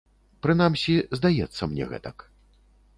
Прынамсі, здаецца мне гэтак.